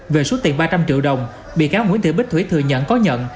về số tiền ba trăm linh triệu đồng bị cáo nguyễn thị bích thủy thừa nhận có nhận